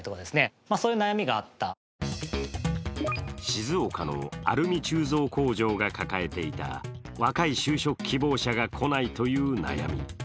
静岡のアルミ鋳造工場が抱えていた若い就職希望者が来ないという悩み。